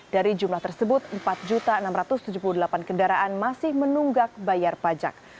dari jumlah tersebut empat enam ratus tujuh puluh delapan kendaraan masih menunggak bayar pajak